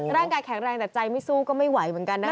ร่างกายแข็งแรงแต่ใจไม่สู้ก็ไม่ไหวเหมือนกันนะคะ